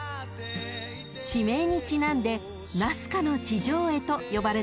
［地名にちなんで那須花の地上絵と呼ばれています］